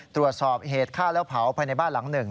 ตรวจสอบเหตุฆ่าแล้วเผาภายในบ้านหลังหนึ่ง